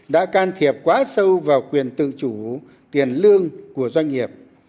đã can thiệp quá sâu vào quyền tự chủ tiền lương của doanh nghiệp